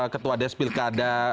ketua dsp lekada